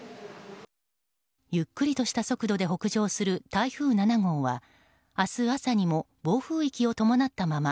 ゆっくりとした速度で北上する台風７号は明日朝にも暴風域を伴ったまま